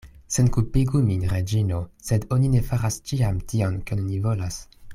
Senkulpigu min, Reĝino: sed oni ne faras ĉiam tion, kion oni volas.